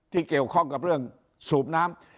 ที่เกี่ยวข้องกับเรื่องสูบน้ำ